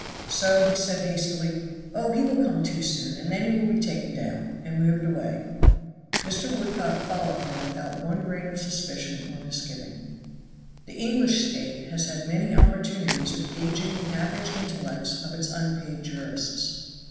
So he said hastily, "Oh, he will come to soon, and then he will be taken down;" and moved away. Mr. Woodcock followed him without one grain of suspicion or misgiving. The English State has had many opportunities of gauging the average intellects of its unpaid jurists.